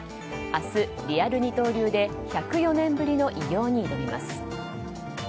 明日、リアル二刀流で１０４年ぶりの偉業に挑みます。